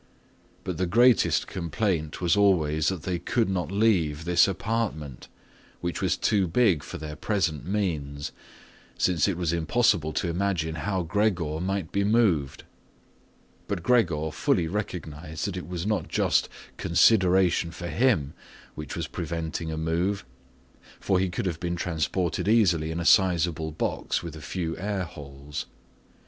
But the greatest complaint was always that they could not leave this apartment, which was too big for their present means, since it was impossible to imagine how Gregor might be moved. But Gregor fully recognized that it was not just consideration for him which was preventing a move, for he could have been transported easily in a suitable box with a few air holes.